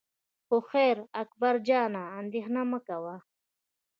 خو خیر اکبر جانه اندېښنه مه کوه.